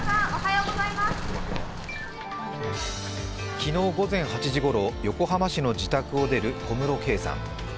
昨日午前８時ごろ、横浜市の自宅を出る小室圭さん。